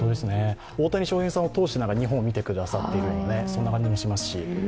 大谷翔平さんを通して日本を見てくださっている、そんな感じもしますし。